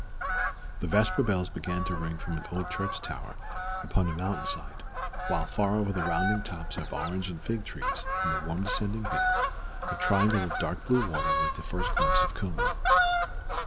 The vesper bells began to ring from an old church tower upon a mountain side, while far over the rounding tops of orange and fig trees in the warm descending vale a triangle of dark blue water was the first glimpse of Como.